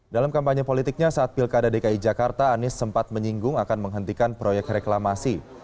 dalam kampanye politiknya saat pilkada dki jakarta anies sempat menyinggung akan menghentikan proyek reklamasi